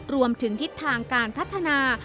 รวมถึงทิศทางการพัฒนา